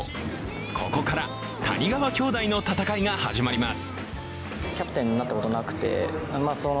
ここから谷川兄弟の戦いが始まります。